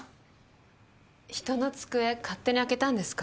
人の机勝手に開けたんですか？